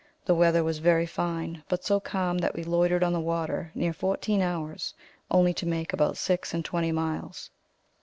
The weather was very fine; but so calm that we loitered on the water near fourteen hours, only to make about six and twenty miles.